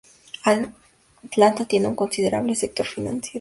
Atlanta tiene un considerable sector financiero.